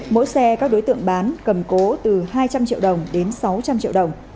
mỗi xe các đối tượng bán cầm cố từ hai trăm linh triệu đồng đến sáu trăm linh triệu đồng